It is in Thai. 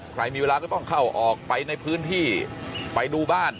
ใครมีเวลาก็ต้องเข้าออกไปในพื้นที่ไปดูบ้าน